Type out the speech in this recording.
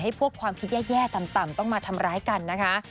พวกความคิดแย่ต่ำต้องมาทำร้ายกันนะคะ